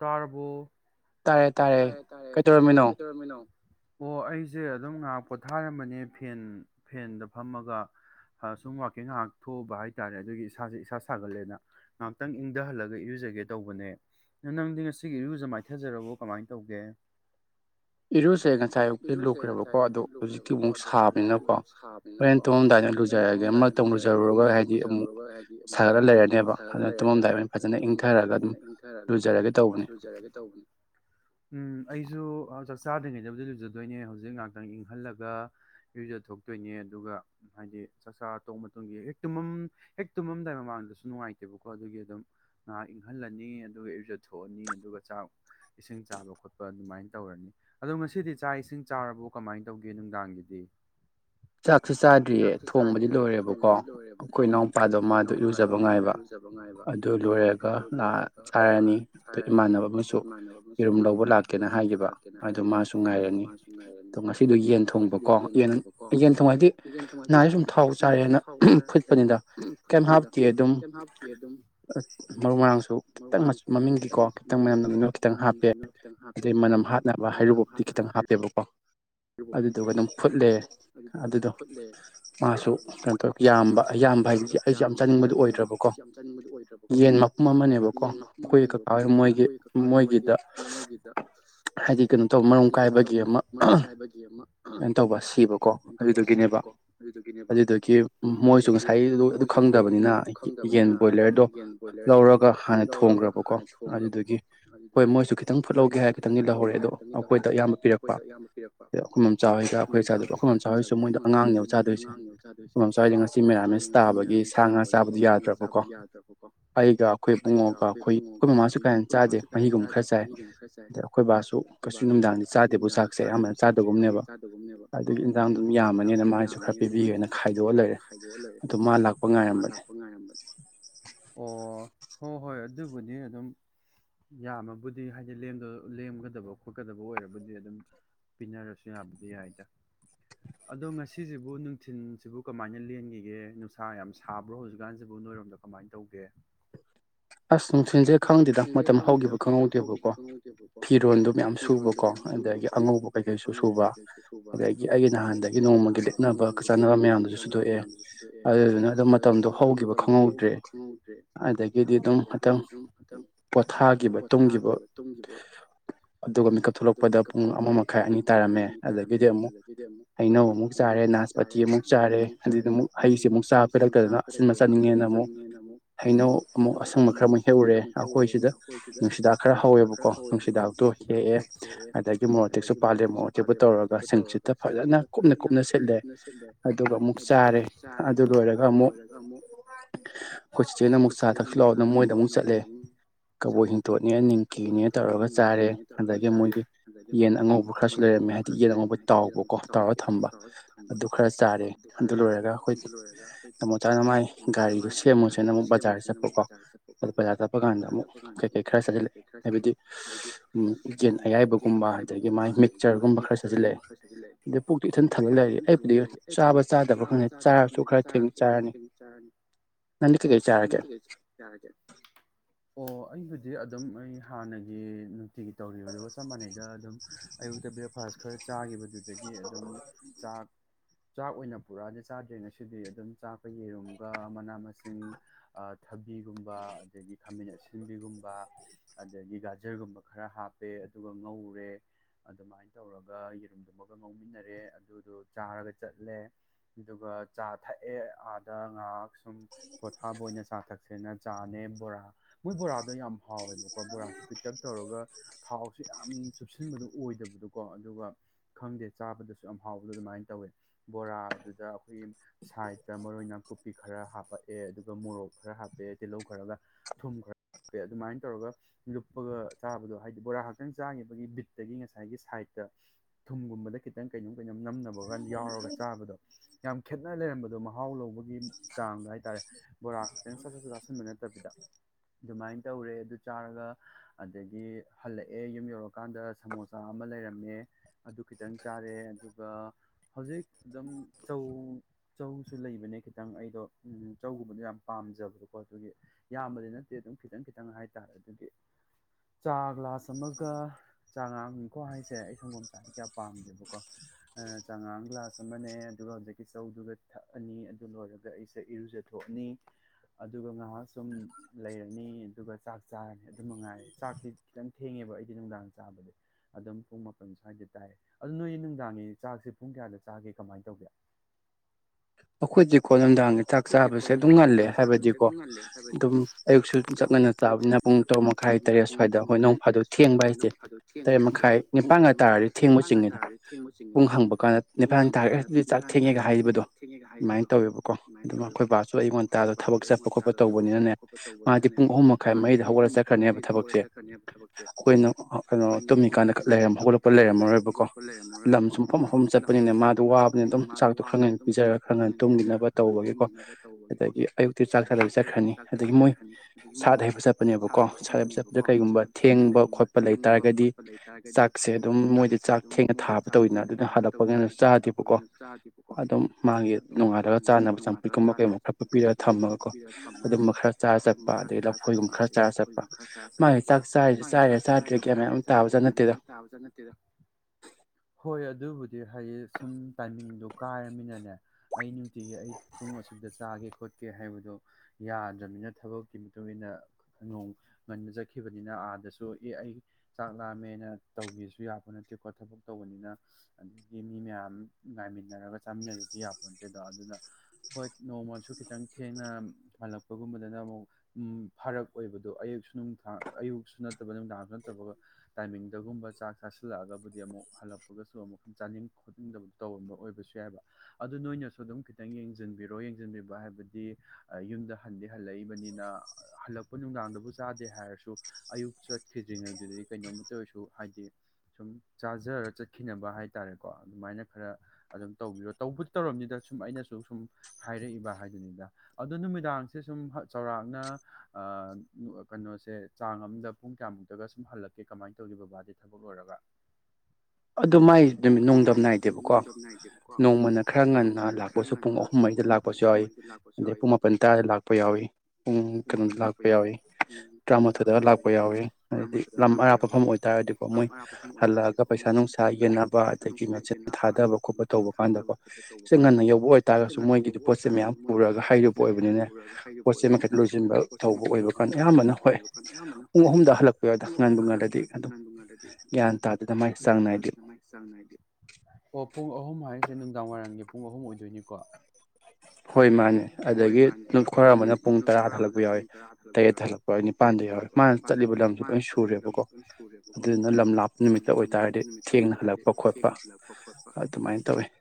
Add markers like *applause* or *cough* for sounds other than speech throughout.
ꯇꯥꯔꯕꯣ ꯇꯥꯌꯦ ꯇꯥꯌꯦ ꯀꯩ ꯇꯧꯔꯝꯃꯤꯅꯣ ꯑꯣ ꯑꯩꯖꯦ ꯑꯗꯨꯝ ꯉꯥꯍꯥꯛ ꯄꯣꯊꯥꯔꯝꯕꯅꯦ ꯐꯦꯟ ꯐꯦꯟꯗ ꯐꯝꯃꯒ ꯑꯥ ꯁꯨꯝ ꯋꯥꯛꯀꯤꯡ ꯉꯥꯏꯍꯥꯛ ꯊꯣꯛꯎꯕ ꯍꯥꯏꯇꯥꯔꯦ ꯑꯗꯨꯒꯤ ꯏꯁꯥꯁꯦ ꯏꯁꯥ ꯁꯥꯒꯠꯂꯦꯅ ꯉꯥꯏꯍꯥꯛꯇꯪ ꯏꯪꯗꯍꯜꯂꯒ ꯏꯔꯨꯖꯒꯦ ꯇꯧꯕꯅꯦ ꯅꯪꯗꯤ ꯉꯁꯤꯒꯤ ꯏꯔꯨꯖꯃꯥꯏꯊꯖꯔꯕꯣ ꯀꯃꯥꯏꯅ ꯇꯧꯒꯦ ꯏꯔꯨꯁꯦ ꯉꯁꯥꯏ ꯑꯌꯨꯛꯇꯤ ꯂꯨꯈ꯭ꯔꯦꯕꯀꯣ ꯑꯗꯣ ꯍꯧꯖꯤꯛꯇꯤ ꯑꯃꯨꯛ ꯁꯥꯕꯅꯤꯅꯀꯣ ꯍꯣꯔꯦꯟ ꯇꯨꯝꯃꯝꯗꯥꯏ *unintelligible* ꯇꯨꯃꯝꯗꯥꯢ ꯑꯣꯏꯅ ꯐꯖꯅ ꯏꯪꯊꯔꯒ ꯂꯨꯖꯔꯒꯦ ꯇꯧꯕꯅꯦ ꯎꯝ ꯑꯩꯁꯨ ꯉꯤꯢꯍꯥꯛ ꯖꯁ *unintelligible* ꯆꯥꯗ꯭ꯔꯤꯉꯩꯗꯕꯨꯗꯤ ꯂꯨꯖꯗꯣꯏꯅꯦ ꯍꯧꯖꯤꯛ ꯉꯥꯏꯍꯥꯛꯇꯪ ꯏꯪꯍꯜꯂꯒ ꯏꯖꯨꯖꯥ ꯊꯣꯛꯇꯣꯏꯅꯦ ꯑꯗꯨꯒ ꯍꯥꯏꯗꯤ ꯆꯥꯛꯆꯥ ꯇꯣꯛ ꯃꯇꯨꯡꯒꯤ ꯍꯦꯛꯇꯨꯃꯝ ꯍꯦꯛ ꯇꯨꯝꯃꯝꯗꯥꯏ ꯃꯃꯥꯡꯗꯁꯨ ꯅꯨꯡꯉꯥꯏꯇꯦꯕꯀꯣ ꯑꯗꯨꯒꯤ ꯑꯗꯨꯝ ꯉꯥꯏꯍꯥꯛ ꯏꯪꯍꯜꯂꯅꯤ ꯑꯗꯨꯒ ꯏꯔꯨꯖꯊꯣꯛꯑꯅꯤ ꯑꯗꯨꯒ ꯆꯥꯛ ꯏꯁꯤꯡ ꯆꯥꯕ ꯈꯣꯠꯄ ꯑꯗꯨꯃꯥꯏꯅ ꯇꯧꯔꯅꯤ ꯑꯗꯣ ꯉꯁꯤꯗꯤ ꯆꯥꯛ ꯏꯁꯤꯡ ꯆꯥꯔꯕꯣ ꯀꯃꯥꯏ ꯇꯧꯒꯦ ꯅꯨꯡꯗꯥꯡꯒꯤꯗꯤ *inaudible* ꯆꯥꯛꯁꯨ ꯆꯥꯗ꯭ꯔꯤꯌꯦ ꯊꯣꯡꯕꯗꯤ ꯂꯣꯏꯔꯦꯕꯀꯣ ꯑꯩꯈꯣꯏ ꯏꯅꯥꯎꯄꯥꯗꯣ ꯃꯥꯗꯣ ꯏꯔꯨꯖꯕ ꯉꯥꯏꯕ ꯑꯗꯨ ꯂꯣꯏꯔꯒ ꯅꯥ ꯆꯥꯔꯅꯤ ꯏꯃꯥꯟꯅꯕ ꯑꯃꯁꯨ ꯌꯦꯔꯨꯝ ꯂꯧꯕ ꯂꯥꯛꯀꯦꯅ ꯍꯥꯏꯈꯤꯕ ꯑꯗꯨ ꯃꯥꯁꯨ ꯉꯥꯏꯔꯅꯤ ꯗꯣ ꯉꯁꯤꯗꯣ ꯌꯦꯟ ꯊꯣꯡꯕꯀꯣ ꯌꯦꯟ ꯌꯦꯟ ꯊꯣꯡ ꯍꯥꯏꯗꯤ ꯅꯍꯥꯟꯒꯩ ꯁꯨꯝ ꯊꯥꯎ ꯆꯥꯔꯦꯅ ꯐꯨꯠꯄꯅꯤꯗ ꯀꯩꯝ ꯍꯥꯞꯇꯤꯌꯦ ꯑꯗꯨꯝ ꯍꯥꯞꯈꯤ ꯑꯗꯨꯝ *unintelligible* ꯃꯔꯨ ꯃꯔꯥꯡꯁꯨ ꯈꯤꯇꯪ ꯃꯃꯤꯡꯒꯤꯀꯣ ꯈꯤꯇꯪ ꯃꯅꯝ ꯅꯝꯅꯕ ꯈꯤꯇꯪ ꯍꯥꯞꯄꯦ ꯑꯗꯩ ꯃꯅꯝ ꯍꯥꯠꯅꯕ ꯍꯩꯔꯤꯕꯣꯞꯇꯤ ꯈꯤꯇꯪ ꯍꯥꯞꯄꯦꯕꯀꯣ ꯑꯗꯨꯗꯨꯒ ꯑꯗꯨꯝ ꯐꯨꯠꯂꯦ ꯑꯗꯨꯗꯣ ꯃꯥꯁꯨ ꯀꯩꯅꯣ ꯇꯧ ꯌꯥꯝꯕ ꯌꯥꯝꯕ ꯍꯥꯏꯗꯤ ꯑꯩꯁꯨ ꯌꯥꯝ ꯆꯥꯅꯤꯡꯕꯗꯨ ꯑꯣꯏꯗ꯭ꯔꯕꯀꯣ ꯌꯦꯟꯃ ꯃꯥꯝ ꯃꯅꯤꯕꯀꯣ ꯑꯩꯈꯣꯏ ꯀꯀꯥ ꯍꯣꯢ ꯃꯣꯏꯒꯤ ꯃꯣꯏꯒꯤꯗ ꯍꯥꯏꯗꯤ ꯀꯩꯅꯣ ꯇꯧꯕ ꯃꯔꯨꯝ ꯀꯥꯏꯕꯒꯤ ꯑꯃ ꯀꯥꯏꯕꯒꯤ ꯑꯃ ꯑꯗꯨꯗꯨꯒꯤꯅꯦꯕ ꯑꯗꯨꯗꯨꯒꯤ ꯃꯣꯏꯁꯨ ꯉꯁꯥꯏ ꯑꯗꯨ ꯈꯪꯗꯕꯅꯤꯅ ꯌꯦꯟ ꯕꯣꯏꯂꯔꯗꯣ ꯂꯧꯔꯒ ꯍꯥꯟꯅ ꯊꯣꯡꯒ꯭ꯔꯕꯀꯣ ꯑꯗꯨꯗꯒꯤ ꯍꯣꯏ ꯃꯣꯏꯁꯨ ꯈꯤꯇꯪ ꯐꯨꯠꯂꯧꯒꯦ ꯃꯣꯢꯁꯨ ꯈꯤꯇꯪ ꯐꯨꯠꯂꯧꯒꯦ ꯍꯥꯏ ꯈꯤꯇꯪꯗꯤ ꯂꯧꯍꯧꯔꯦ ꯑꯗꯣ ꯑꯈꯣꯏꯗ ꯑꯌꯥꯝꯕ ꯄꯤꯔꯛ ꯑꯈꯣꯢ ꯃꯝꯆꯥ ꯍꯣꯏꯗ ꯑꯈꯣꯏ ꯆꯥꯗꫭꯏꯔꫭ ꯃꯝꯆꯥꯍꯣꯏꯁꯨ ꯃꯣꯏꯗ ꯑꯉꯥꯡꯅꯦꯕ ꯆꯥꯗꯣꯏꯁꯦ ꯑꯈꯣꯢ ꯃꯝꯆꯥꯥꯍꯣꯏꯗꯤ ꯉꯁꯤ ꯃꯦꯔꯥꯃꯦꯁ ꯇꯥꯕꯒꯤ ꯁꯥ ꯉꯥ ꯆꯥꯕꯗꯤ ꯌꯥꯗ꯭ꯔꯕ ꯆꯥꯕꯗꯤ ꯌꯥꯗ꯭ꯔꯕꯀꯣ ꯑꯩꯒ ꯑꯈꯣꯏ ꯏꯕꯨꯡꯉꯣꯒ ꯑꯈꯣꯏ ꯑꯈꯣꯏ ꯃꯃꯥꯁꯨ ꯀꯥ ꯍꯦꯟꯅ ꯆꯥꯗꯦ ꯃꯍꯤꯒꯨꯝꯕ ꯈꯔ ꯆꯥꯏ ꯑꯗꯩ ꯑꯈꯣꯏ ꯕꯥꯁꯨ ꯀꯩꯁꯨ ꯅꯨꯃꯤꯗꯥꯡꯗꯤ ꯆꯥꯗꯦꯕꯨ ꯆꯥꯛꯁꯦ ꯌꯥꯝ *unintelligible* ꯆꯥꯛꯁꯦ ꯑꯌꯥꯝꯕꯅ ꯆꯥꯗꯒꯨꯝꯅꯦꯕ ꯑꯗꯨꯒꯤ ꯏꯟꯖꯥꯡ ꯑꯗꯨꯝ ꯌꯥꯝꯕꯅꯤꯅ ꯃꯥꯏꯁꯨ ꯈꯔ ꯄꯤꯕꯤꯒꯦꯅ ꯈꯥꯏꯗꯣꯑ ꯂꯩꯔꯦ ꯑꯗꫭ ꯃꯥ ꯂꯥꯛꯄ ꯉꯥꯏꯔꯝꯕꯅꯦ *unintelligible* ꯑꯣ ꯍꯣ ꯍꯣꯏ ꯑꯗꯨꯕꯨꯗꯤ ꯑꯗꯨꯝ ꯌꯥꯝꯃꯕꯨꯗꯤ ꯍꯥꯏꯗꯤ *unintelligible* ꯂꯦꯝꯒꯗꯕ ꯈꯣꯠꯀꯗꯕ ꯑꯣꯏꯔꯕꯨꯗꯤ ꯑꯗꯨꯝ ꯄꯤꯅꯔꯁꯨ ꯌꯥꯕꯨꯗꯤ ꯌꯥꯏꯗ ꯑꯗꯣ ꯉꯁꯤꯖꯤꯕꯨ ꯅꯨꯡꯊꯤꯟꯁꯤꯕꯨ ꯀꯃꯥꯏꯅ ꯂꯦꯟꯒꯤꯒꯦ ꯅꯨꯡꯁꯥ ꯌꯥꯝ ꯁꯥꯕ꯭ꯔꯣ ꯍꯧꯖꯤꯛꯀꯥꯟꯖꯤꯕꫭ ꯅꯣꯏꯔꯣꯝꯗ ꯀꯃꯥꯏ ꯇꯧꯒꯦ *inaudible* ꯑꯁ ꯅꯨꯡꯊꯤꯟꯁꯦ ꯈꯪꯗꯦꯗ ꯃꯇꯝ ꯍꯧꯒꯤꯕ ꯈꯪꯍꯧꯗꯦꯕꯀꯣ ꯐꯤꯔꯣꯟꯗꯣ ꯃꯌꯥꯝ ꯁꯨꯕꯀꯣ ꯑꯗ ꯗꯒꯤ ꯑꯉꯧꯕ ꯀꯩꯀꯩꯁꯨ ꯁꯨꯕ ꯑꯗꯒꯤ ꯑꯩꯒꯤ ꯅꯍꯥꯟꯗꯒꯤ ꯅꯣꯡꯃꯒꯤ ꯂꯤꯠꯅꯕ *unintelligible* ꯆꯥꯟꯅꯕ ꯃꯌꯥꯝꯗꯨꯖꯨ ꯁꯨꯗꯣꯑꯦ ꯑꯗꯨꯗꯨꯅ ꯑꯗꯨꯝ ꯃꯇꯝꯗꯣ ꯍꯧꯒꯤꯕ ꯈꯪꯍꯧꯗ꯭ꯔꯦ ꯑꯗꯒꯤꯗꯤ ꯑꯗꯒꯤꯗꯤ ꯑꯗꯨꯝ ꯈꯤꯇꯪ ꯄꯣꯊꯥꯒꯤꯕ ꯇꯨꯝꯒꯤꯕ ꯑꯗꯨꯒ ꯃꯤꯀꯞ ꯊꯣꯛꯂꯛꯄꯗ ꯄꯨꯡ ꯑꯃ ꯃ ꯈꯥꯏ ꯑꯅꯤ ꯇꯥꯔꯝꯃꯦ ꯑꯗꯒꯤꯗꯤ ꯑꯃꯨꯛ ꯍꯩꯅꯧ ꯑꯃꯨꯛ ꯆꯥꯔꯦ ꯅꯥꯁꯄꯇꯤ ꯑꯃꯨꯛ ꯆꯥꯔꯦ ꯑꯗꯨꯏꯗꯨ ꯃꯨꯛ ꯑꯗꯨꯏꯗꯨ ꯃꯨꯛ ꯍꯩꯁꯦ ꯑꯃꯨꯛ ꯆꯥ ꯄꯦꯂꯛꯇꯗꯅ ꯑꯁꯤꯟꯕ ꯆꯥꯅꯤꯡꯉꯦꯅ ꯑꯃꯨꯛ ꯍꯩꯅꯧ ꯑꯃꯨꯛ ꯑꯁꯨ *unintelligible* ꯈꯔꯃꯨꯛ ꯍꯦꯛꯎꯔꯦ ꯑꯈꯣꯏꯁꯤꯗ ꯅꯨꯡꯁꯤꯗꯥꯛ ꯈꯔ ꯍꯧꯋꯦꯕꯀꯣ ꯅꯨꯡꯁꯤꯗꯥꯛꯇꯣ ꯍꯦꯛꯑꯦ ꯑꯗꯒꯤꯃꯨꯛ ꯑꯇꯦꯛꯁꯨ ꯄꯥꯜꯂꯦ ꯃꯣꯔꯣꯛ ꯑꯇꯦꯛꯄ ꯇꯧꯔꯒ *unintelligible* ꯐꯖꯅ ꯀꯨꯞꯅ ꯀꯨꯞꯅ ꯁꯤꯠꯂꯦ ꯑꯗꯨꯒ ꯑꯃꯨꯛ ꯆꯥ ꯑꯃꯨꯛ ꯆꯥꯔꯦ ꯑꯗꯨ ꯂꯣꯏꯔꯒ ꯑꯃꯨꯛ ꯈꯣꯏ ꯆꯤꯆꯦꯅꯃꯨꯛ ꯆꯥ ꯊꯛ ꯑꯃꯨꯛ ꯆꯥ ꯊꯛꯁꯤ ꯂꯥꯎꯅ ꯃꯣꯏꯗ ꯑꯃꯨꯛ ꯀꯕꯣꯛ ꯍꯤꯡꯇꯣꯠꯅꯦ ꯅꯤꯡꯀꯤꯅꯦ ꯇꯧꯔꯒ ꯆꯥꯔꯦ ꯑꯗꯒꯤ ꯃꯣꯏꯒꯤ ꯌꯦꯟ ꯑꯉꯧꯕ ꯈꯔꯁꯨ ꯂꯩꯔꯝꯃꯦ ꯍꯥꯏꯗꯤ ꯌꯦꯟ ꯑꯉꯧꯕ ꯇꯥꯎꯕꯀꯣ ꯇꯥꯎꯔ ꯊꯝꯕ ꯑꯗꯨ ꯈꯔ ꯆꯥꯔꯦ ꯑꯗꯨ ꯂꯣꯏꯔ ꯑꯈꯣꯏ *unintelligible* ꯇꯥꯃꯣꯆꯥꯅ ꯃꯥꯏ ꯒꯥꯔꯤꯗꫭ ꯁꯦꯝꯃꯨꯁꯦꯅ ꯑꯃꯨꯛ ꯕꯓꯥꯔ ꯆꯠꯄꯀꯣ ꯕꯓꯥꯔ ꯆꯠꯄ ꯀꯥꯟꯗ ꯑꯃꯨꯛ ꯀꯩꯀꯩ ꯈꯔ ꯆꯥꯖꯤꯜꯂꯑꯦ ꯍꯥꯏꯕꯗꯤ ꯎꯝ ꯌꯦꯟ ꯑꯌꯥꯏ ꯕꯒꯨꯝꯕ ꯑꯗ ꯒꯤ ꯃꯥꯏ ꯃꯤꯛꯆꯔꯒꯨꯝꯕ ꯈꯔ ꯆꯥꯖꯤꯜꯂꯑꯦ ꯑꯗꯩ ꯄꯨꯛꯇꯤ ꯏꯊꯟ ꯊꯜꯂ ꯂꯩꯔꯦ ꯑꯩꯕꯨꯗꯤ ꯆꯥꯕ ꯆꯥꯗ꯭ꯔꯕ ꯈꯪꯗꯦ ꯆꯥꯗꯕ ꯈꯪꯗꯦ ꯆꯥꯔꯁꯨ ꯈꯔ ꯊꯦꯡꯅ ꯆꯥꯔꯅꯤ ꯅꯪꯗꯤ ꯀꯩ ꯀꯩ ꯆꯥꯔꯒꯦ ꯌꯥꯔꯒꯦ ꯑꯣ ꯑꯩ ꯍꯧꯖꯤꯛ ꯑꯗꯨꯝ ꯑꯩ ꯍꯥꯟꯅꯒꯤ ꯇꯤꯒꯤ ꯇꯧꯔꯤꯕꯗꯨꯒ ꯆꯞ ꯃꯥꯟꯅꯩꯗ ꯑꯗꯨꯝ ꯑꯌꯨꯛꯇ ꯕ꯭ꯔꯦꯛꯐꯥꯁ ꯈꯔ ꯆꯥꯒꯤꯕꯗꯨ ꯗꯒꯤ ꯑꯗꯨꯝ ꯆꯥꯛ ꯆꯥꯛ ꯑꯣꯏꯅ ꯄꯨꯔꯗꯤ ꯆꯥꯗ꯭ꯔꯦꯅꯦ ꯉꯁꯤꯗꯤ ꯑꯗꯨꯝ ꯆꯥꯛꯀ ꯌꯦꯔꯨꯝꯒ ꯃꯅꯥ ꯃꯁꯤꯡ ꯑꯥ ꯊꯕꯤꯒꯨꯝꯕ ꯑꯗꯒꯤ ꯈꯥꯃꯦꯟ ꯑꯁꯤꯟꯕꯤꯒꯨꯝꯕ ꯑꯗꯒꯤ ꯒꯥꯖꯔꯒꯨꯝꯕ ꯈꯔ ꯍꯥꯞꯄꯦ *unintelligible* ꯑꯗꯨꯒ ꯉꯧꯔꯦ ꯑꯗꯨꯃꯥꯏ ꯇꯧꯔꯒ ꯌꯦꯔꯨꯝꯗꯨꯃꯒ ꯉꯧꯃꯤꯟꯅꯔꯦ ꯑꯗꯨꯗꯨ ꯆꯥꯔꯒ ꯆꯠꯂꯦ ꯑꯘ ꯑꯗꯨꯒ ꯆꯥ ꯊꯛꯑꯦ ꯑꯥꯗ ꯉꯥꯛꯁ ꯑꯝ ꯄꯣꯊꯥꯕ ꯑꯣꯏꯅ ꯆꯥ ꯊꯛꯁꯦꯅ ꯆꯥꯅꯦ ꯕꯣꯔꯥ ꯃꯣꯏ ꯕꯣꯔꯥꯗꯣ ꯌꯥꯝ ꯍꯥꯎꯋꯦꯕꯀꯣ ꯕꯣꯔꯥꯁꯦ ꯄꯤꯛꯇꯛ ꯇꯧꯔꯒ ꯊꯥꯎꯁꯨ ꯌꯥꯝ ꯆꯨꯞꯁꯤꯟꯕꯗꯣ ꯑꯣꯏꯗꯕꯗꯣꯀꯣ ꯑꯗꯨꯒ ꯈꯪꯗꯦ ꯆꯥꯕꯗꯁꯨ ꯌꯥꯝ ꯍꯥꯎꯕꯗꯣ ꯑꯗꯨꯃꯥꯏꯅ ꯇꯧꯋꯦ ꯕꯣꯔꯥ ꯗꯨꯗ ꯑꯈꯣꯏꯒꯤ ꯁꯥꯏꯠꯇ ꯃꯔꯣꯏ ꯅꯥꯀꯨꯞꯄꯤ ꯈꯔ ꯍꯥꯞꯄꯛꯑꯦ ꯑꯗꯨꯒ ꯃꯣꯔꯣꯛ ꯈꯔ ꯍꯥꯞꯄꯦ ꯇꯤꯜꯍꯧ ꯈꯔ *unintelligible* ꯊꯨꯝ ꯈꯔ *unintelligible* ꯄꯦ ꯑꯗꯨꯃꯥꯏꯅ ꯇꯧꯔꯒ ꯂꯨꯞꯄꯒ ꯆꯥꯕꯗꯣ ꯍꯥꯏꯗꯤ ꯕꯣꯔꯥ ꯈꯥꯛꯇꯪ ꯆꯥꯈꯤꯕꯒꯤ ꯕꯤꯠ ꯑꯗꯒꯤ ꯉꯁꯥꯏꯒꯤ ꯁꯥꯏꯠꯇ ꯊꯨꯝꯒꯨꯝꯕꯗ ꯈꯤꯇꯪ ꯀꯩꯅꯣꯝ ꯑꯩꯈꯣꯏꯅ ꯅꯝꯅꯕꯒ ꯌꯥꯎꯔꯒ ꯆꯥꯕꯗꯣ ꯌꯥꯝ ꯈꯦꯠꯅ ꯂꯩꯔꯝꯕꯗꯣ ꯃꯍꯥꯎ ꯂꯧꯕꯒꯤ ꯆꯥꯡꯗ ꯍꯥꯏꯇꯥꯔꯦ ꯕꯣꯔꯥ ꯇꯪ ꯁꯠ ꯁꯠ ꯁꯠ ꯍꯥꯞꯁꯤꯟꯕ ꯅꯠꯇꯕꯤꯗ ꯑꯗꯨꯃꯥꯏ ꯇꯧꯔꯦ ꯑꯗꯨ ꯆꯥꯔꯒ ꯑꯗꯒꯤ ꯍꯜꯂꯛꯑꯦ ꯌꯨꯝ ꯌꯧꯔꯛꯀꯥꯟꯗ ꯁꯃꯣꯁꯥ ꯑꯃ ꯂꯩꯔꯝꯃꯦ ꯑꯗꯨ ꯈꯤꯇꯪ ꯆꯥꯔꯦ ꯑꯗꯨꯒ ꯍꯧꯖꯤꯛ ꯑꯗꯨꯝ ꯆꯧ ꯆꯧꯁꯨ ꯂꯩꯕꯅꯦ *unintelligible* ꯈꯤꯇꯪ ꯑꯩꯗꯣ ꯎꯝ ꯆꯧꯒꯨꯝꯕꯗꯣ ꯌꯥꯝ ꯄꯥꯝꯖꯕꯗꯣꯀꯣ ꯑꯗꯨꯒꯤ ꯌꯥꯝꯕꯗꯤ ꯅꯠꯇꯦ ꯑꯗꯨꯝ ꯈꯤꯇꯪ ꯈꯤꯇꯪ ꯍꯥꯏꯠ *unintelligible* ꯑꯗꯨꯒꯤ ꯆꯥ ꯒ꯭ꯂꯥꯁ ꯑꯃꯒ ꯆꯥꯉꯥꯡꯅꯤꯀꯣ ꯍꯥꯏꯁꯦ ꯑꯩ ꯁꯪꯒꯣꯝ ꯆꯥꯗꯤ ꯀꯌꯥ ꯄꯥꯝꯗꯦꯕꯀꯣ ꯑꯗꯅ ꯆꯥꯉꯥꯡ ꯒ꯭ꯂꯥꯁ ꯑꯃꯅꯦ ꯑꯗꯨꯒ ꯍꯧꯖꯤꯛꯀꯤ ꯆꯧꯗꯨꯒ ꯊꯛꯑꯅꯤ ꯑꯗꯨ ꯂꯣꯏꯔꯒ ꯑꯩꯁꯦ ꯏꯔꯨꯖꯊꯣꯛꯑꯅꯤ ꯑꯗꯨꯒ ꯉꯍꯥꯛ ꯁꯨꯝ ꯂꯩꯔꯅꯤ ꯑꯗꯨꯒ ꯆꯥꯛ ꯆꯥꯔꯅꯤ ꯑꯗꯨ ꯃꯉꯥꯏꯔꯦ ꯆꯥꯛꯇꯤ ꯈꯤꯇꯪ ꯊꯦꯡ ꯉꯦꯕꯥ ꯑꯩꯗꯤ ꯅꯨꯡꯗꯥꯡ ꯆꯥꯕꯗꯤ ꯑꯗꯨꯝ ꯄꯨꯡ ꯃꯥꯄꯟ ꯁꯥꯏꯗ ꯆꯥꯏ ꯑꯗꯨ ꯅꯣꯏ ꯅꯨꯡꯗꯥꯡꯒꯤ ꯆꯥꯛꯁꯦ ꯄꯨꯡ ꯀꯌꯥꯗ ꯆꯥꯒꯦ ꯀꯃꯥꯏ ꯇꯧ ꯑꯈꯣꯏꯖꯤꯞ ꯀꯣ ꯅꯨꯡꯗꯥꯡꯒꯤ ꯆꯥꯛ ꯆꯥꯕꯁꯦ ꯑꯗꯨꯝ ꯉꯜꯂꯦ ꯍꯥꯏꯕꯗꯤꯀꯣ ꯗꯨꯝ ꯑꯌꯨꯛꯁꯨ ꯆꯞꯃꯥꯅ ꯆꯥꯕꯅꯤꯅ ꯄꯨꯡ ꯇꯔꯨꯛ ꯃꯈꯥꯏ ꯇꯔꯦꯠ ꯁ꯭ꯋꯥꯏꯗ ꯍꯣꯏ ꯅꯣꯡ ꯐꯥꯗꯣꯛ ꯊꯦꯡꯕ ꯍꯥꯏꯁꯦ ꯇꯔꯦꯠ ꯃꯈꯥꯏ ꯅꯤꯄꯥꯟꯒ ꯇꯥꯔꯗꯤ ꯊꯦꯡꯕꯁ ꯆꯤꯡꯉꯦꯗ ꯄꯨꯡ ꯍꯪꯕ ꯀꯥꯟꯗ ꯅꯤꯄꯥꯟ ꯇꯥꯔꯗꯤ ꯆꯥꯛ ꯊꯦꯡꯉꯦꯒ ꯍꯥꯏꯕꯗꯣ *unintelligible* ꯒ ꯍꯥꯏꯕꯗꯣ ꯑꯗꯨꯃꯥꯏꯟ ꯇꯧꯋꯦꯕꯀꯣ ꯗꯨꯅ ꯈꯣꯏ ꯕꯥꯁꯨ ꯑꯌꯨꯛ ꯉꯟꯇꯥꯗꯣ ꯊꯕꯛ ꯆꯠꯄ ꯈꯣꯠꯄ ꯇꯧꯕꯅꯤꯅꯅꯦ ꯃꯥꯗꯤ ꯄꯨꯡ ꯑ ꯑꯍꯨꯝ ꯃꯈꯥꯏ ꯃꯔꯤꯗ ꯍꯧꯒꯠꯂꯒ ꯆꯠꯈ꯭ꯔꯅꯦꯕ ꯊꯕꯛꯁꯦ ꯈꯣꯏꯅ ꯀꯩꯅꯣ ꯇꯨꯝꯃꯤꯀꯥꯟꯗ ꯂꯩꯔꯝ ꯍꯧꯒꯠ *unintelligible* ꯂꯩꯔꯝꯃꯔꯣꯏꯕꯀꯣ ꯂꯝ ꯁꯨ ꯃꯐꯝ ꯃꯐꯝ ꯆꯠꯄꯅꯤꯅ ꯃꯥꯗꯣ ꯋꯥꯕꯅꯤꯅ ꯀꯣ ꯗꯨꯝ *unintelligible* ꯈꯔ ꯉꯟ ꯇꯨꯝꯒꯤꯅꯕ *unintelligible* ꯇꯧꯕꯒꯤꯀꯣ ꯑꯗꯒꯤ ꯑꯌꯨꯛꯇꯤ ꯆꯥꯛ ꯆꯥꯗꯕꯤ ꯆꯠꯈ꯭ꯔꯅꯤ ꯑꯗꯒꯤ ꯃꯣꯢ ꯁꯥꯗ ꯍꯩꯕ ꯆꯠꯄꯅꯦꯕꯥ ꯀꯣ ꯁꯥ *unintelligible* ꯞ ꯆꯠꯄꯗ ꯀꯔꯩꯒꯨꯝꯕ ꯊꯦꯡꯕ ꯈꯣꯠꯄ ꯂꯩ ꯇꯥꯔꯒꯗꯤ ꯆꯥꯛꯁꯦ ꯑꯗꯨꯝ ꯃꯣꯏꯗꯤ ꯆꯥꯛ ꯊꯦꯡꯅ ꯊꯥꯕ ꯇꯧꯋꯤꯅ ꯑꯗꯨꯅ ꯍꯜꯂꯛꯄꯒꯅ ꯆꯥꯗꯦꯕꯀꯣ ꯑꯗꯨꯝ ꯃꯥꯒꯤ ꯅꯣꯡꯉꯥꯜꯂꯒ ꯆꯥꯅ *unintelligible* ꯆꯝꯄꯤꯠꯀꯨꯝꯕ ꯀꯩꯒꯨꯝꯕ ꯈꯔ ꯐꯨꯠꯄꯤꯔꯒ ꯊꯝꯃꯒꯀꯣ ꯑꯗꯨꯒꯨꯝꯕ ꯈꯔ ꯆꯥꯔ ꯆꯠꯄ ꯑꯗꯩꯩ ꯂꯐꯣꯏꯒꯨꯝꯕ ꯈꯔ ꯆꯥꯔ ꯆꯠ ꯂꯐꯣꯢꯒꯨꯝꯕ ꯈꯔ ꯆꯔꯥ ꯆꯠꯄ ꯃꯥꯏ ꯆꯥꯛ ꯆꯥꯢ ꯆꯥꯏꯔꯥ ꯆꯗꯔ꯭ꯤꯔꯥ ꯒꯌ꯭ꯥꯟ ꯃꯦꯟ ꯑꯝ ꯇꯥꯕ ꯖꯥꯠ ꯅꯠꯇꯦꯗꯥ *inaudible* ꯍꯣꯏ ꯑꯗꯨꯕꯨꯗꯤ ꯍꯥꯌꯦ ꯁꯨꯝ ꯇꯥꯏꯃꯤꯡꯗꯣ ꯀꯥꯏꯔꯃꯤꯅꯥꯅꯦ ꯑꯩ ꯅꯨꯡꯇꯤꯒꯤ ꯑꯩ ꯄꯨꯡ ꯑꯁꯨꯛꯇ ꯆꯥꯒꯦ ꯈꯣꯠꯀꯦ ꯍꯥꯏꯕꯗꫭ ꯌꯥꯗ꯭ꯔꯞꯅꯤꯅ ꯊꯕꯛꯀꯤ ꯃꯇꯨꯡꯏꯟꯅ ꯅꯣꯡ ꯉꯟꯅ ꯆꯠꯈꯤꯕꯅꯤꯅ ꯑꯥꯗꯁꯨ ꯑꯦ ꯑꯩ ꯆꯥꯛ ꯂꯥꯝꯃꯦꯅ ꯇꯧꯒꯦꯁꯨ ꯌꯥꯕ ꯅꯠꯇꯦꯀꯣ ꯊꯕꯛ ꯇꯧꯕꯅꯤꯅ ꯑꯗꯨꯗꯒꯤ ꯃꯤ ꯃꯌꯥꯝ ꯉꯥꯏꯃꯤꯟꯅꯔꯒ ꯆꯥꯃꯤꯟꯅꯗ꯭ꯔꯗꯤ ꯌꯥꯄꯣꯟꯇꯦꯗꯣ ꯑꯗꯨꯅ ꯍꯣꯏ ꯅꯣꯡꯃꯁꯨ ꯈꯤꯇꯪ ꯊꯦꯡꯅ ꯍꯜꯂꯛꯄꯒꯨꯝꯕꯗꯅ ꯑꯃꯨꯛ ꯎꯝ ꯐꯔꯛ ꯑꯣꯏꯕꯗꯣ ꯑꯌꯨꯛ *unintelligible* ꯑꯌꯨꯛꯁꯨ ꯅꯠꯇꯕ ꯅꯨꯡꯗꯥꯡꯖꯨ ꯅꯠꯇꯕ ꯇꯥꯏꯃꯤꯡꯗꯒꯨꯝꯕ ꯆꯥꯛ ꯆꯥꯁꯤꯜꯂꯑꯒꯕꯨꯗꯤ ꯑꯃꯨꯛ ꯍꯜꯂꯛꯄꯒꯁꯨ ꯑꯃꯨꯛ ꯆꯥꯅꯤꯡ ꯈꯣꯠꯅꯤꯡꯗꯕ ꯇꯧꯔꯝꯕ ꯑꯣꯏꯕꯁꯨ ꯌꯥꯏꯕ ꯑꯗꯣ ꯅꯣꯏꯅꯁꯨ ꯑꯗꯨꯝ ꯈꯤꯇꯪ ꯌꯦꯡ ꯖꯟꯕꯤꯔꯣ ꯌꯦꯡꯖꯤꯟꯕꯤꯕ ꯍꯥꯏꯕꯗꯤ ꯌꯨꯝꯗ ꯍꯟꯗꯤ ꯍꯜꯂꯏꯕꯅꯤꯅ ꯍꯜꯂꯛꯄ ꯅꯨꯡꯗꯥꯡꯗꯨꯕꯨ ꯆꯥꯗꯦ ꯍꯥꯏꯔꯁꯨ ꯑꯌꯨꯛ ꯆꯠꯈꯤꯗ꯭ꯔꯤꯉꯩꯗꯨꯗꯤ ꯀꯩꯅꯣꯝꯃꯇ ꯑꯣꯏꯔꯁꯨ ꯍꯥꯏꯗꯤ ꯁꯨꯝ ꯆꯥꯖꯔ ꯆꯠꯈꯤꯅꯕ ꯍꯥꯏꯇꯥꯔꯦꯀꯣ ꯑꯗꯨꯃꯥꯏꯅ ꯈꯔ ꯑꯗꯨꯝ ꯇꯧꯕꯤꯔꯣ ꯇꯧꯕꯨꯗꯤ ꯇꯧꯔꯝꯅꯤꯗ ꯁꯨꯝ ꯑꯩꯅꯁꯨ ꯁꯨꯝ ꯍꯥꯏꯔꯛꯏꯕ ꯍꯥꯏꯗꯨꯅꯤꯗꯥ ꯑꯗꯣ ꯅꯨꯃꯤꯗꯥꯡꯁꯦ ꯁꯨꯝ ꯆꯥꯎꯔꯥꯛꯅ ꯑꯥ ꯅꯨ ꯑ ꯀꯩꯅꯣꯁꯦ ꯆꯥꯡ ꯑꯃꯝꯗ ꯄꯨꯡ ꯀꯌꯥꯃꯨꯛꯇꯒ ꯁꯨꯝ ꯍꯜꯂꯛꯀꯦ ꯀꯃꯥꯏꯅ ꯇꯧꯒꯦ ꯕꯕꯥꯗꯤ ꯊꯕꯛ ꯂꯣꯏꯔꯒ *inaudible* ꯑꯗꯨ ꯃꯥꯏ ꯅꯨꯃꯤꯠ ꯅꯣꯡꯗꯝ ꯅꯥꯏꯗꯦꯕꯀꯣ ꯅꯣꯡꯃꯅ ꯈꯔ ꯉꯟꯅ ꯂꯥꯛꯄꯁꯨ ꯄꯨꯡ ꯑꯍꯨꯝ ꯃꯔꯤ ꯗ ꯂꯥꯛꯄꯁꯨ ꯌꯥꯎꯏ ꯑꯗꯩ ꯄꯨꯡ ꯃꯥꯄꯟ ꯇꯔꯥꯗ ꯂꯥꯛꯄ ꯌꯥꯎꯋꯤ ꯄꯨꯡ ꯀꯩꯅꯣꯗ ꯂꯥꯛꯄ ꯌꯥꯎꯋꯤ ꯇꯔꯥꯃꯥꯊꯣꯏꯗꯒ ꯂꯥꯛꯄ ꯌꯥꯎꯋꯤ ꯍꯥꯏꯗꯤ ꯂꯝ ꯑꯔꯥꯞꯄ ꯃꯐꯝ ꯑꯣꯏꯇꯥꯔ ꯍꯥꯢꯗꯤꯀꯣ ꯃꯣꯏ ꯍꯜꯂꯑꯒ ꯄꯩꯁꯥ ꯅꯨꯡꯁꯥ ꯌꯦꯟꯅꯕ ꯑꯗꯒꯤ ꯃꯦꯆꯤꯟ ꯊꯥꯗꯕ ꯈꯣꯠꯄ ꯇꯧꯕ ꯀꯥꯟꯗꯀꯣ ꯁꯤ ꯉꯟꯅ ꯌꯧꯕ ꯑꯣꯏꯇꯥꯔ ꯃꯣꯏꯒꯤꯗꯤ ꯄꯣꯠꯁꯦ ꯃꯌꯥꯝ ꯄꯨꯔꯒ ꯍꯩꯔꯨꯕ ꯑꯣꯏꯕꯅꯤꯅ ꯄꯣꯠꯁꯦ ꯃꯈꯜ ꯂꫭꯏꯖꯤꯟꯕ ꯊꯧꯕ ꯑꯣꯏꯕ ꯀꯥꯟꯗ ꯑꯌꯥꯝꯕꯅ ꯍꯣꯏ ꯄꯨꯡ ꯑꯍꯨꯝꯗ ꯍꯜꯂꯛꯄ ꯌꯥꯎꯋꯤꯗ ꯉꯟꯕꯨ ꯉꯜꯂꯗꯤ ꯑꯗꯨꯝ ꯌꯥꯟ ꯇꯥꯗꯦꯗ ꯌꯥꯟ ꯇꯥꯗꯅ ꯃꯥꯏ ꯆꯥꯡ ꯅꯥꯏꯗꯦ ꯑꯣ ꯄꯨꯡ ꯑꯍꯨꯝ ꯍꯥꯏ ꯁꯦ ꯅꯨꯡꯗꯥꯡ ꯋꯥꯏꯔꯝꯒꯤ ꯄꯨꯡ ꯑꯍꯨꯝ ꯑꯣꯏꯗꯣꯏꯅꯤꯀꯣ ꯍꯣꯏ ꯃꯥꯅꯦ ꯑꯗꯒꯤ *unintelligible* ꯈꯔ ꯑꯃꯅ ꯄꯨꯡ ꯇꯔꯥ ꯈꯔ ꯑꯃꯅ ꯄꯨꯡ ꯇꯔꯥꯗ ꯍꯜꯂꯛꯄ ꯌꯥꯎꯋꯤ ꯇꯔꯦꯠꯇ ꯍꯠꯂꯛꯄ ꯅꯤꯄꯥꯟꯗ ꯌꯥꯎꯋꯤ ꯃꯥꯅ ꯆꯠꯂꯤꯕ ꯂꯝꯗꯣ ꯂꯣꯏ ꯁꯨꯔꯦꯕ__ ꯑꯗꯨꯗꯨꯅ ꯂꯝ ꯂꯥꯞꯄ ꯅꯨꯃꯤꯠꯇ ꯑꯣꯏꯇꯥꯔꯗꯤ ꯊꯦꯡꯅ ꯍꯜꯂꯛꯄ ꯈꯣꯠꯄ ꯑꯗꯨꯃꯥꯏꯅ ꯇꯧꯋꯤ *inaudible*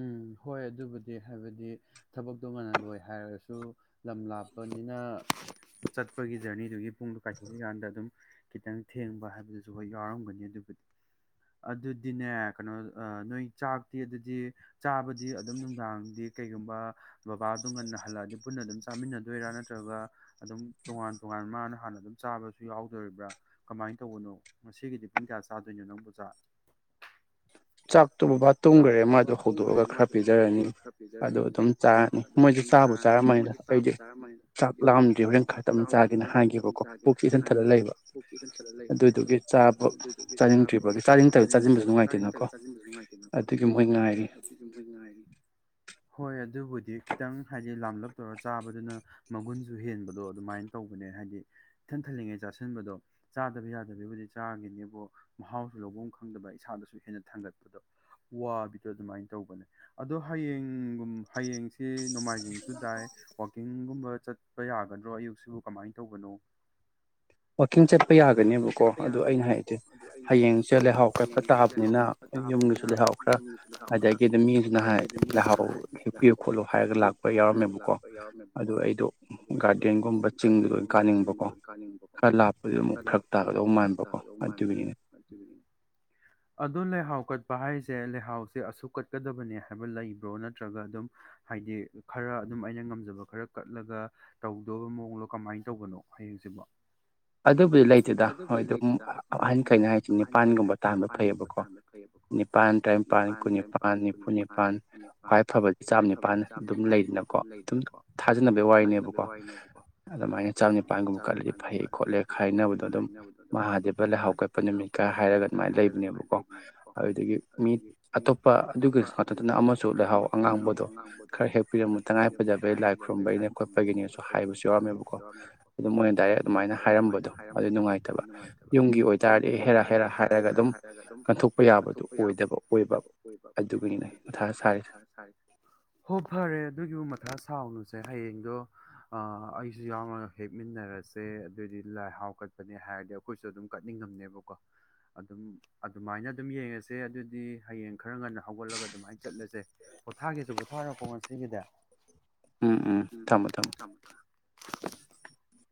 ꯎꯝ ꯍꯣꯏ ꯑꯗꯨꯕꯨ ꯗꯤ ꯍꯥꯏꯕꯗꯤ ꯊꯕꯛꯇꯣ ꯉꯟꯅ ꯂꯣꯏ ꯍꯥꯏꯔꯒꯁꯨ ꯂꯝ ꯂꯥꯞꯄꯅꯤꯅ ꯆꯠꯄꯒꯤ ꯖꯔꯅꯤꯗꯨꯒꯤ ꯄꯨꯡꯗꯨ ꯀꯥꯏꯇꫭꯛꯈꯤꯀꯥꯟꯗ ꯑꯗꯨꯝ ꯈꯤꯇꯪ ꯊꯦꯡꯕ ꯍꯥꯏꯕꯗꯨꯁꯨ ꯍꯣꯏ ꯌꯥꯎꯔꯝꯒꯅꯤ ꯑꯗꯨꯕꯨ ꯑꯗꯨꯗꯤꯅꯦ ꯀꯩꯅꯣ ꯑ ꯅꯣꯏ ꯆꯥꯛꯇꯤ ꯑꯗꯨꯗꯤ ꯆꯥꯕꯗꯤ ꯑꯗꯨꯝ ꯅꯨꯡꯗꯥꯡꯗꯤ ꯀꯩꯒꯨꯝꯕ ꯕꯕꯥꯗꯨ ꯉꯟꯅ ꯍꯜꯂꯑꯗꯤ ꯄꯨꯟꯅ ꯑꯗꯨꯝ ꯆꯥꯃꯤꯟꯅꯗꯣꯏꯔ ꯅꯠꯇ꯭ꯔꯒ ꯑꯗꯨꯝ ꯇꯣꯉꯥꯟ ꯇꯣꯉꯥꯟ ꯃꯥꯅ ꯍꯥꯟꯅ ꯑꯗꯨꯝ ꯆꯥꯕꯁꯨ ꯌꯥꯎꯗꯣꯔꯤꯕ꯭ꯔ ꯀꯃꯥꯏ ꯀꯃꯥꯏ ꯇꯧꯕꯅꯣ ꯉꯁꯤꯒꯤꯗꯤ ꯄꯨꯡ ꯀꯌꯥ ꯆꯥꯗꯣꯏꯅꯣ ꯅꯪꯕꯨ ꯆꯥꯛ ꯆꯥꯛ ꯇꫭ ꯕꯕꯥ ꯇꯨꯝꯒ꯭ꯔꯦ ꯃꯥꯗꯣ ꯍꯧꯗꯣꯑꯒ ꯈꯔ ꯄꯤꯖꯔꯅꯤ ꯑꯗꯨ ꯑꯗꯨꯝ ꯆꯥꯔꯅꯤ ꯃꯣꯏꯁꯨ ꯆꯥꯕ ꯆꯥ *unintelligible* ꯑꯩꯗꯤ ꯆꯥꯛ ꯂꯥꯝꯗ꯭ꯔꯤ ꯍꯧꯔꯦꯟ ꯈꯇꯪ ꯆꯥꯒꯦꯅ ꯍꯥꯏꯒꯤꯕꯀꯣ ꯄꯨꯛꯁꯦ ꯏꯊꯟ ꯊꯟꯂ ꯂꯩꯕ ꯄꯨꯛꯁꯦ ꯏꯊꯟ ꯊꯟꯂ ꯂꯩꯕ ꯑꯗꯨꯗꯨꯒꯤ ꯆꯥꯕ ꯆꯥꯅꯤꯡꯗ꯭ꯔꯤꯕ *unintelligible* ꯑꯗꯨꯒꯤ ꯃꯣꯢ ꯉꯥꯏꯔꯤ ꯍꯣꯏ ꯑꯗꯨꯕꯨꯗꯤ ꯈꯤꯇꯪ ꯍꯥꯏꯗꯤ ꯂꯥꯝꯂꯞꯇꯧꯔꯒ ꯆꯥꯕꯗꯨꯅ ꯃꯒꯨꯟꯁꯨ ꯍꯦꯟꯕꯗꯣ ꯑꯗꯨꯃꯥꯏ ꯇꯧꯕ *unintelligible* ꯍꯥꯏꯗꯤ ꯏꯊꯟ ꯊꯟꯂꯤꯉꯩ ꯆꯥꯁꯤꯟꯕꯗꯣ ꯆꯥꯗꯕ ꯌꯥꯗꯕꯩꯕꯨꯗꯤ ꯆꯥꯒꯤꯅꯦꯕꯨ ꯃꯍꯥꯎꯖꯨ ꯂꯩꯕꯝ ꯈꯪꯗꯕ ꯏꯁꯥꯗꯁꯨ ꯍꯦꯟꯅ ꯊꯟꯒꯠꯄꯗꯣ ꯋꯥꯕꯤꯗꯣ ꯑꯗꯨꯃꯥꯏꯅ ꯇꯧꯕꯅꯦ ꯑꯗꯣ ꯍꯌꯦꯡꯒꯨꯝ ꯍꯌꯦꯡꯁꯦ ꯅꯣꯡꯃꯥꯏꯖꯤꯡꯁꯨ ꯇꯥꯏ ꯋꯥꯀꯤꯡꯒꯨꯝꯕ ꯆꯠꯄ ꯌꯥꯒꯗ꯭ꯔꯣ ꯑꯌꯨꯛꯁꯤꯕꯨ ꯀꯝꯃꯥꯏ ꯇꯧꯕꯅꯣ *inaudible* ꯋꯥꯀꯤꯡ ꯆꯠꯄ ꯌꯥꯒꯅꯦꯕꯀꯣ ꯑꯗꫭ ꯑꯩꯅ ꯍꯥꯏꯗꯤ ꯍꯌꯦꯡꯖꯦ ꯂꯩꯍꯥꯎ ꯀꯠꯄ ꯇꯥꯕꯅꯤꯅ ꯌꯨꯝꯒꯤꯁꯨ ꯂꯩꯍꯥꯎ ꯈꯔ ꯑꯗꯒꯤ ꯃꯤꯗꯨꯅ ꯍꯥꯏ ꯂꯩꯍꯥꯎ ꯍꯦꯞꯄꯤꯌꯨ ꯈꯣꯠꯂꯨ ꯍꯥꯏꯔꯒ ꯂꯥꯛꯄ ꯌꯥꯎꯔꯝꯃꯦꯕꯀꯣ ꯑꯗꯨ ꯑꯩꯗꯣ ꯒꯥꯔꯗꯦꯟꯒꯨꯝꯕ ꯆꯤꯡꯗꯨꯗꯑꫭꯏ ꯀꯥꯅꯤꯡꯕꯀꯣ ꯈꯔ ꯂꯥꯞꯄꯗꯨ ꯃꯨꯛ ꯐꯔꯛ ꯇꯥꯒꯗꯧ ꯃꯥꯟꯕꯀꯣ ꯑꯗꯨꯒꯤꯅꯦ ꯑꯗꯨ ꯂꯩꯍꯥꯎ ꯀꯠꯄ ꯍꯥꯏ *unintelligible* ꯂꯩꯍꯥꯎ ꯁꯦ ꯑꯁꯨꯛ ꯀꯠꯀꯗꯕꯅꯤ ꯍꯥꯏꯕ ꯂꯩꯕ꯭ꯔꫭ ꯅꯠꯇ꯭ꯔꯒ ꯑꯗꯨꯝ ꯍꯥꯏꯗꯤ ꯈꯔꯥ ꯑꯗꯨꯝ ꯑꯩꯅ ꯉꯝꯖꯕ ꯈꯔ ꯀꯠꯂꯒ ꯇꯧꯗꯧꯕ ꯃꯑꯣꯡꯂꯣ ꯀꯃꯥꯏ ꯇꯧꯕꯅꯣ ꯍꯌꯦꯡꯁꯤꯕꯣ ꯑꯗꯨꯕꯨꯗꯤ ꯂꯩꯇꯦꯗ ꯍꯣꯏ ꯑꯗꯨꯝ ꯑꯍꯟꯈꯩꯅ ꯍꯥꯏꯗꯤ ꯅꯤꯄꯥꯟꯒꯨꯝꯕ ꯇꯥꯥꯍꯟꯕ ꯐꯩꯌꯦꯕꯀꯣ ꯅꯤꯄꯥꯥꯟ ꯇ꯭ꯔꯥꯏꯝꯄꯥꯟ ꯀꯨꯟꯅꯤꯄꯥꯟ ꯅꯤꯐꯨꯅꯤꯄꯥꯟ ꯈ꯭ꯋꯥꯏ ꯐꯕꯗꯤ ꯆꯥꯝꯅꯤꯄꯥꯟꯅ ꯑꯗꯨꯝ ꯂꯩꯗꯅꯀꯣ ꯑꯗꯨꯝ ꯊꯥꯖꯅꯕꯩ ꯋꯥꯔꯤꯅꯦꯕꯀꯣ ꯑꯗꯨꯃꯥꯏꯅ ꯆꯥꯝꯅꯤꯄꯥꯟꯒꯨꯝꯕ ꯀꯠꯂꯗꯤ ꯐꯩ ꯈꯣꯠꯂꯤ *unintelligible* ꯍꯥꯏꯅꯕꯗꯣ ꯑꯗꯨꯝ ꯃꯍꯥꯗꯦꯕ ꯂꯩꯍꯥꯎ ꯀꯠꯄ ꯅꯨꯃꯤꯠꯀ ꯍꯥꯏꯔꯒ ꯑꯗꯨꯃꯥꯏ‌ ꯂꯩꯕꯅꯦꯕꯀꯣ ꯑꯗꯨꯗꯨꯒꯤ ꯃꯤ ꯑꯇꯣꯞꯄ ꯑꯗꯨꯒꯤ *unintelligible* ꯑꯃꯁꯨ ꯂꯩꯍꯥꯎ ꯑꯉꯥꯡꯕꯗꯣ ꯈꯔ ꯍꯦꯛꯄꯤꯔꯝꯃꯨ ꯇꯉꯥꯏꯐ *unintelligible* ꯂꯥꯏ ꯈꯨꯔꯨꯝꯕꯩꯅꯦ ꯈꫭꯠꯄꯒꯤꯅꯦꯁꯨ ꯍꯥꯏꯕꯁꯨ ꯌꯥꯎꯔꯝꯃꯦꯕꯀꯣ ꯑꯗꯨꯝ ꯃꯣꯏꯅ ꯗꯥꯢꯔꯦꯛ ꯑꯗꯨꯃꯥꯏꯅ ꯍꯥꯏ ꯔꯝꯕꯗꫭ ꯑꯗꯨ ꯅꯨꯡꯉꯥꯏꯇꯕ ꯌꯨꯝꯒꯤ ꯑꯣꯏꯇꯥꯔꯗꯤ ꯑꯦ ꯍꯦꯔꯥ ꯍꯦꯔꯥ ꯍꯥꯏꯔꯒ ꯑꯗꯨꯝ ꯀꯟꯊꯣꯛꯄ ꯌꯥꯕꯗꯣ ꯑꯣꯏꯗꯕ ꯑꯣꯏꯕ ꯑꯗꯨꯒꯤꯅꯤꯅꯦ ꯃꯊꯥ ꯁꯥꯔꯤꯁꯦ ꯍꯣ ꯐꯔꯦ ꯑꯗꯨꯒꯤꯕꯨ ꯃꯊꯥ ꯁꯥꯎꯅꯨ ꯁꯦ ꯍꯌꯦꯡꯗꯣ ꯑ ꯑꯩꯁꯨ ꯌꯥꯎꯅ ꯍꯦꯛꯃꯤꯟꯅꯔꯁꯦ ꯑꯗꯨꯏꯗꯤ ꯂꯥꯏꯍꯥꯎ ꯀꯠꯄꯅꯦ ꯍꯥꯏ ꯔꯒꯦ ꯑꯈꯣꯏꯁꯨ ꯑꯗꯨꯝ ꯀꯠꯅꯤꯡꯉꯝꯅꯦꯕꯀꯣ ꯑꯗꯨꯝ ꯑꯗꯨꯃꯥꯏꯅ ꯑꯗꯨꯝ ꯌꯦꯡꯉ ꯁꯦ ꯑꯗꯨꯗꯤ ꯍꯌꯦꯡ ꯈꯔ ꯉꯟꯅ ꯍꯧꯒꯠꯂꯒ ꯑꯗꯨꯃꯥꯏ ꯆꯠꯂꯖꯦ ꯄꯣꯊꯥꯒꯦꯖꯨ ꯄꯣꯊꯥꯔꯣꯀꯣ ꯉꯁꯤꯒꯤꯗꯤ ꯎꯝ ꯎꯝ ꯊꯝꯃꯣ ꯊꯝꯃꯣ *inaudible*